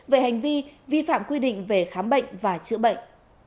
về hành vi vi phạm quy định về khám bệnh và chữa bệnh